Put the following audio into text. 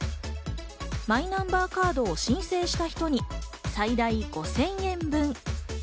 マイナンバーカードを申請した人に最大５０００円分。